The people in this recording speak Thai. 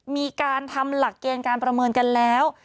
มีการทำหลักเกณฑ์การประเมินกันแล้ว